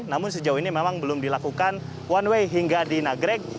namun sejauh ini memang belum dilakukan one way hingga di nagrek